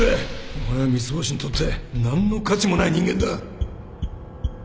お前は三ツ星にとって何の価値もない人間だ